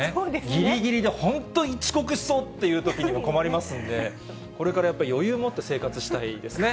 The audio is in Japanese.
ぎりぎりで本当、遅刻しそうというときには困りますんで、これからやっぱり余裕持って生活したいですね。